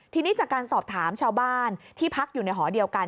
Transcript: ทีนี้จากการสอบถามชาวบ้านที่พักอยู่ในหอเดียวกัน